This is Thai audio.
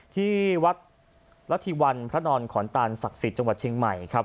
ที่วัดละทิวัลพระนอนขอนตัลศักดิ์สิทธิ์จังหวัดชิงไหมครับ